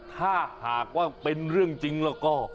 ถ้าหากว่าเป็นเรื่องจริงแล้วก็